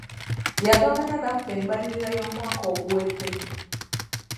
Yagabana naffe embalirira y'omwaka oguwedde.